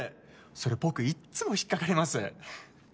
それ僕いつも引っかかります。